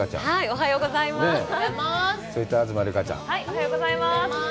おはようございます。